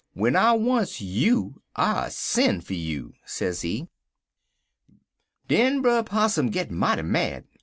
'W'en I wants you I'll sen' fer you,' sezee. "Den Brer Possum git mighty mad.